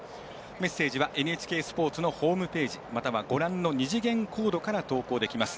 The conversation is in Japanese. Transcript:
メッセージはＮＨＫスポーツのホームページまたはご覧の二次元コードから投稿できます。